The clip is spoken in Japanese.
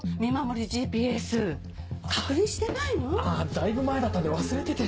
だいぶ前だったんで忘れてて！